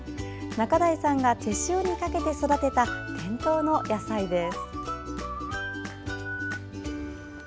中代さんが手塩にかけて育てた伝統の野菜です。